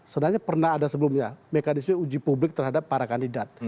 sebenarnya pernah ada sebelumnya mekanisme uji publik terhadap para kandidat